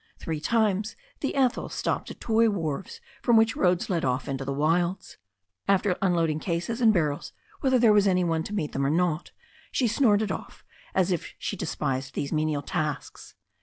Three times the Ethel stopped at toy wharves from which roads led off into the wilds. After unloading cases and barrels whether there was any one to meet them or not, she snorted off as if she despised these menial tasks.